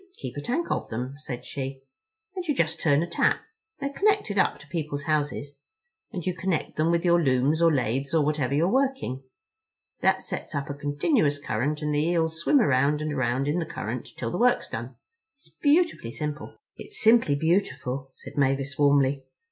"We keep a tank of them," said she, "and you just turn a tap—they're connected up to people's houses—and you connect them with your looms or lathes or whatever you're working. That sets up a continuous current and the eels swim around and around in the current till the work's done. It's beautifully simple." "It's simply beautiful," said Mavis warmly.